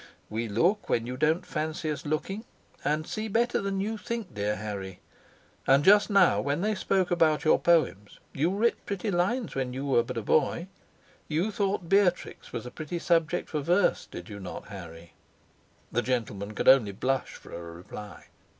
We look when you don't fancy us looking, and see better than you think, dear Harry: and just now when they spoke about your poems you writ pretty lines when you were but a boy you thought Beatrix was a pretty subject for verse, did not you, Harry?" (The gentleman could only blush for a reply.)